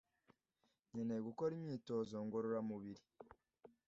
nkeneye gukora imyitozo ngororamubiri.